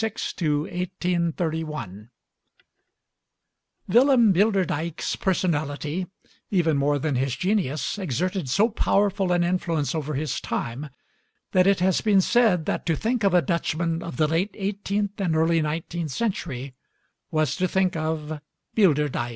WILLEM BILDERDIJK (1756 1831) Willem Bilderdijk's personality, even more than his genius, exerted so powerful an influence over his time that it has been said that to think of a Dutchman of the late eighteenth and early nineteenth century was to think of Bilderdijk.